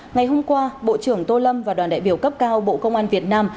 ngày hôm qua bộ trưởng tô lâm và đoàn đại biểu cấp cao bộ công an việt nam